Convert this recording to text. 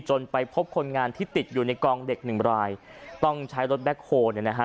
ไปพบคนงานที่ติดอยู่ในกองเด็กหนึ่งรายต้องใช้รถแบ็คโฮลเนี่ยนะฮะ